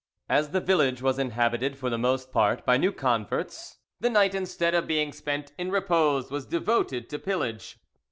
As the village was inhabited for the most part by new converts, the night instead of being spent in repose was devoted to pillage.